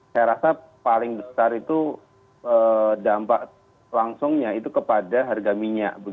saya rasa paling besar itu dampak langsungnya itu kepada harga minyak